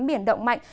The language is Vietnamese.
biển động mạnh